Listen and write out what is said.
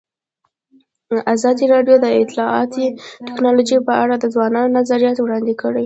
ازادي راډیو د اطلاعاتی تکنالوژي په اړه د ځوانانو نظریات وړاندې کړي.